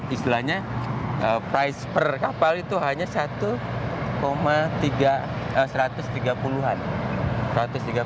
istilahnya price per kapal itu hanya satu satu ratus tiga puluh lima juta dolar